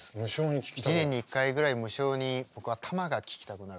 一年に１回ぐらい無性に僕はたまが聴きたくなるんです。